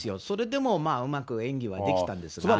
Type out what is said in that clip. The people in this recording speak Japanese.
それでも、まあうまく演技はできたんですが。